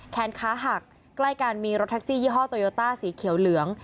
แขนขาหักใกล้กันมีรถแท็กซี่ยี่ห้อโตโยต้าสีเขียวเหลือง